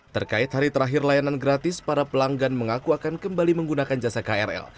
terkait hari terakhir layanan gratis para pelanggan mengaku akan kembali menggunakan jasa krl